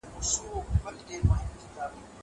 هغه څوک چي بوټونه پاکوي روغ اوسي!